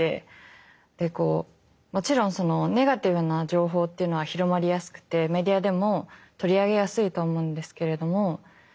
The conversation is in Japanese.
でこうもちろんネガティブな情報っていうのは広まりやすくてメディアでも取り上げやすいと思うんですけれども。